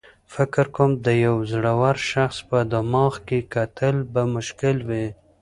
فکر کوم د یو زړور شخص په دماغ کې کتل به مشکل وي.